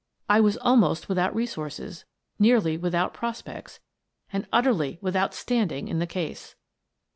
I was almost without resources, nearly without pros pects, and utterly without standing in the case.